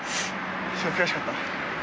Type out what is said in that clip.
悔しかった？